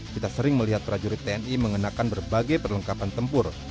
kita sering melihat prajurit tni mengenakan berbagai perlengkapan tempur